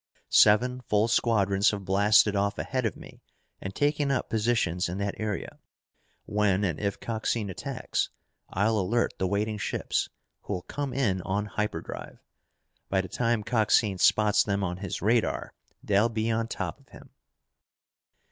Seven full squadrons have blasted off ahead of me and taken up positions in that area. When and if Coxine attacks, I'll alert the waiting ships, who'll come in on hyperdrive. By the time Coxine spots them on his radar, they'll be on top of him."